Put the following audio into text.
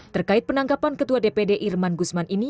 terkait penangkapan ketua dpd irman gusman ini